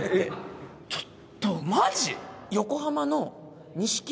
ちょっとマジ？